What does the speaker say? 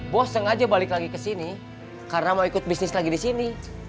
bos sengaja balik lagi ke sini karena mau ikut bisnis lagi di sini